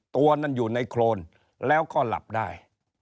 ตัวนั้นอยู่ในโครนแล้วก็หลับได้